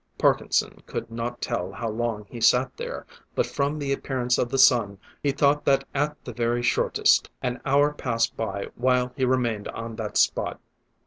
Parkinson could not tell how long he sat there, but from the appearance of the sun, he thought that at the very shortest, an hour passed by while he remained on that spot.